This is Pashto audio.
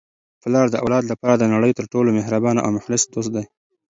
پلار د اولاد لپاره د نړۍ تر ټولو مهربانه او مخلص دوست دی.